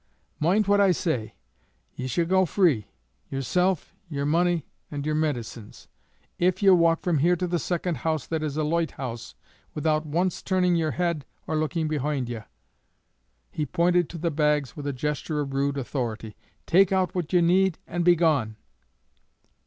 Moind what I say! Ye shall go free yerself, yer money, and yer midicines if ye walk from here to the second house that is a loighthouse without once turning yer head or looking behoind ye." He pointed to the bags with a gesture of rude authority. "Take out what ye need, and begone!"